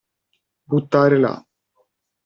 Buttare là.